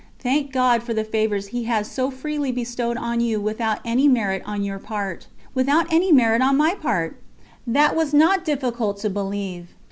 Thank God for the favours He has so freely bestowed on you without any merit on your part." Without any merit on my part! That was not difficult to believe.